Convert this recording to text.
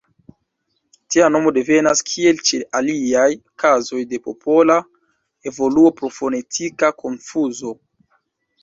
Tia nomo devenas, kiel ĉe aliaj kazoj, de popola evoluo pro fonetika konfuzo.